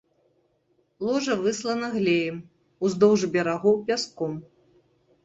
Ложа выслана глеем, уздоўж берагоў пяском.